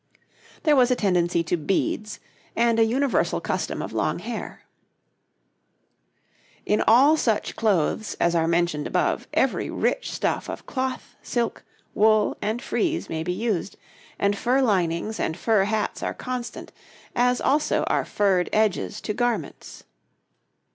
There was a tendency to beads, and a universal custom of long hair. In all such clothes as are mentioned above every rich stuff of cloth, silk, wool, and frieze may be used, and fur linings and fur hats are constant, as also are furred edges to garments.